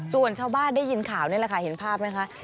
ส่วนชาวบ้านได้ยินข่าวนี่แหละค่ะเห็นภาพไหมคะ